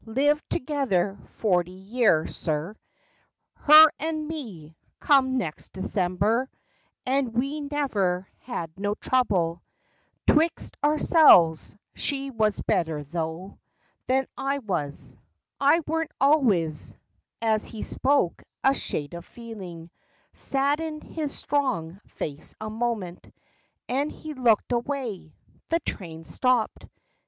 Lived together forty year, sir, Her and me, come next December; And we never had no trouble 'Twixt ourselves. She was better, tho', Than I was. I wern't always—" As he spoke, a shade of feeling Saddened his strong face a moment, And he looked away. The train stopped.